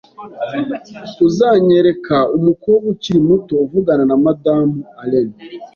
Uzanyereka umukobwa ukiri muto uvugana na Madamu Allen?